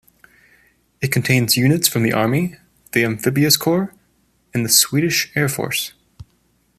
It contains units from the Army, the Amphibious Corps and the Swedish Air Force.